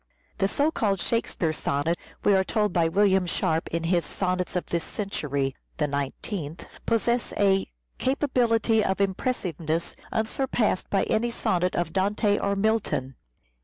The so called " Shakespeare sonnet," we are told by William Sharp in his " Sonnets of this Century " (igth), possesses " a capability of impressiveness unsurpassed by any sonnet of Dante or Milton."